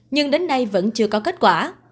nhưng đến nay vẫn chưa có kết quả